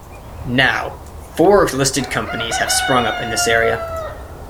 Now four listed companies have sprung up in this area.